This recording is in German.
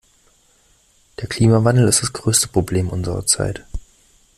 Der Klimawandel ist das größte Problem unserer Zeit.